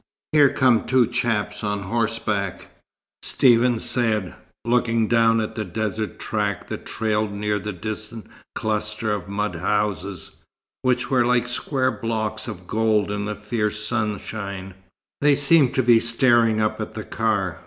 "Here come two chaps on horseback," Stephen said, looking down at the desert track that trailed near the distant cluster of mud houses, which were like square blocks of gold in the fierce sunshine. "They seem to be staring up at the car.